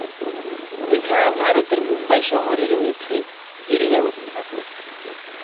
এছাড়া ভারতের মুম্বাই শহরে রয়েছে ফেরী ব্যবস্থা।